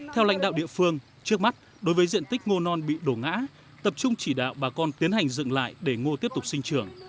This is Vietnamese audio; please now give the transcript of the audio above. theo lãnh đạo địa phương trước mắt đối với diện tích ngô non bị đổ ngã tập trung chỉ đạo bà con tiến hành dựng lại để ngô tiếp tục sinh trưởng